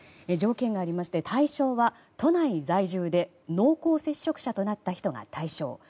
条件がありまして対象は都内在住で濃厚接触者となった人が対象。